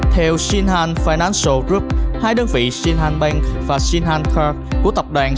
theo sinhan financial group hai đơn vị sinhan bank và sinhan card của tập đoàn